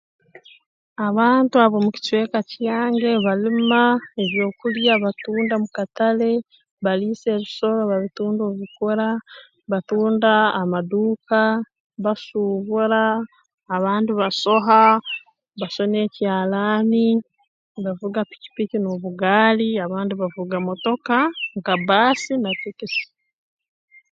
Abantu ab'omu kicweka kyange balima ebyokulya batunda mu katale baliisa ebisoro babitunda obu bikura batunda amaduuka basuubura abandi basoha basona ekyalaani bavuga pikipiki n'obugaali abandi bavuga motoka nka bbaasi na tekisi